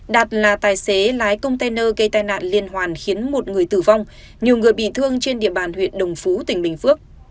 đạt là tài xế lái container gây tai nạn liên hoàn khiến một người tử vong nhiều người bị thương trên địa bàn huyện đồng phú tỉnh bình phước